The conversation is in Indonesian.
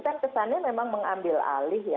kan kesannya memang mengambil alih ya